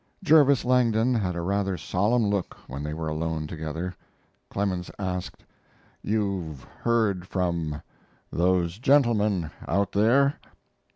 Jervis Langdon had a rather solemn look when they were alone together. Clemens asked: "You've heard from those gentlemen out there?"